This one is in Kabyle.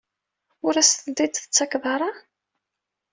Ur as-ten-id-tettakeḍ ara?